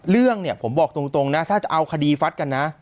เรื่องเนี่ยผมบอกตรงนะถ้าจะเอาคดีฟัดกันนะ